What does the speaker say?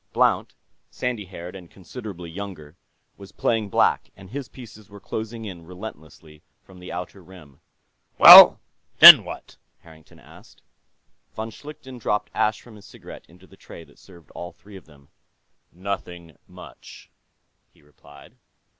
Blount, sandy haired and considerably younger, was playing black, and his pieces were closing in relentlessly from the outer rim. "Well, then what?" Harrington asked. Von Schlichten dropped ash from his cigarette into the tray that served all three of them. "Nothing much," he replied.